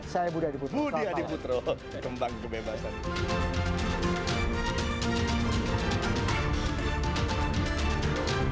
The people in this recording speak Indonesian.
saya budi adiputro selamat malam